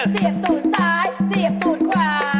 เสียบตูดซ้ายเสียบตูดขวา